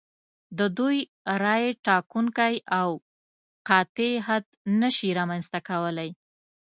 د دوی رایې ټاکونکی او قاطع حد نشي رامنځته کولای.